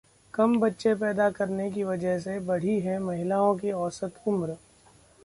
कम बच्चे पैदा करने की वजह से बढ़ी है महिलाओं की औसत उम्र